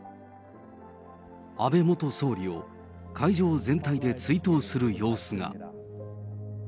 安倍元総理を会場全体で追悼する様子が。